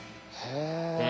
へえ！